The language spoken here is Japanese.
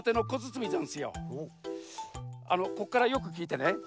あのこっからよくきいてね。